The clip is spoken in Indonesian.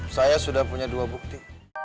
saya sudah punya dua bukti